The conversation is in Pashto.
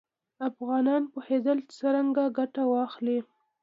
افغانان پوهېدل چې څرنګه ګټه واخلي.